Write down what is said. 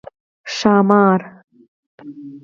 🐉ښامار